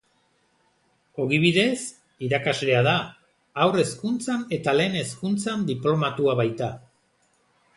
Ogibidez, irakaslea da, haur hezkuntzan eta lehen hezkuntzan diplomatua baita.